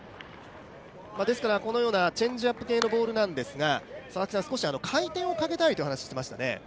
ですからこのような、チェンジアップ系のボールなんですが少し回転をかけたいという話をしてましたね。